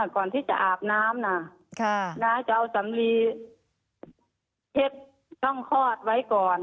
ก่อนที่จะอาบน้ำนะน้าจะเอาสำลีเช็ดช่องคลอดไว้ก่อน